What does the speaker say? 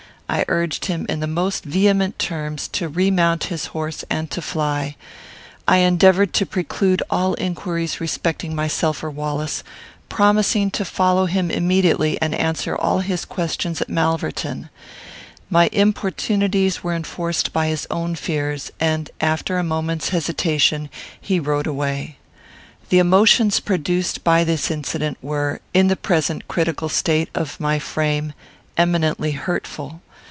I urged him in the most vehement terms to remount his horse and to fly; I endeavoured to preclude all inquiries respecting myself or Wallace; promising to follow him immediately, and answer all his questions at Malverton. My importunities were enforced by his own fears, and, after a moment's hesitation, he rode away. The emotions produced by this incident were, in the present critical state of my frame, eminently hurtful.